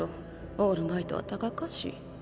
オールマイトは高かし。